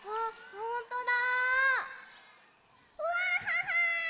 ほんとだ！